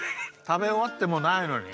たべおわってもないのに？